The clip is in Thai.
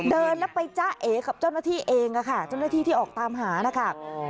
เดินแล้วไปจ้าเอกับเจ้าหน้าที่เองค่ะเจ้าหน้าที่ที่ออกตามหานะคะ